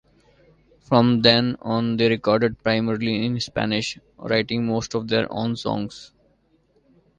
From then on they recorded primarily in Spanish, writing most of their own songs.